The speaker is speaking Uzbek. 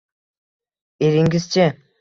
-Eringiz-chi?